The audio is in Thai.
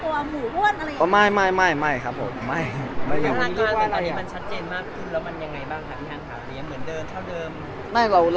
ข้างหลังกันอันนี้มันชัดเจนมากขึ้นแล้วมันยังไงบ้างทางขาวเหมือนเดิมเท่าเดิม